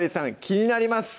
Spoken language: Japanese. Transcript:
気になります